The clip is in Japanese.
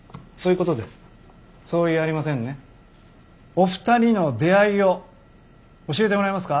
お二人の出会いを教えてもらえますか？